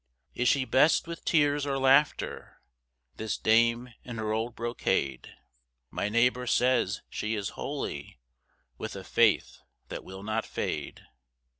Is she best with tears or laughter, This dame in her old brocade? My neighbour says she is holy, With a faith that will not fade.